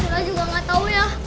saya juga gak tau ya